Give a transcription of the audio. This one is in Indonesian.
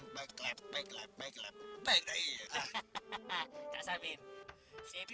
tapi mau jual sapi